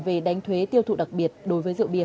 về đánh thuế tiêu thụ đặc biệt đối với rượu bia